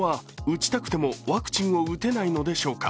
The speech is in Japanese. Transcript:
なぜ、子供は打ちたくてもワクチンを打てないのでしょうか